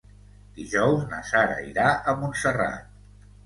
Dijous na Sara irà a Montserrat.